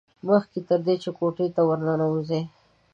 مخکې تر دې چې کوټې ته ور ننوځي.